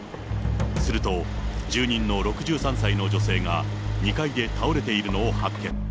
すると、住人の６３歳の女性が、２階で倒れているのを発見。